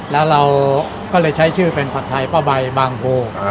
แล้วเราก็เลยใช้ชื่อเป็นผัดไทยป้าใบบางโพ